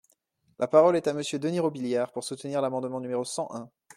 La parole est à Monsieur Denys Robiliard, pour soutenir l’amendement numéro cent un.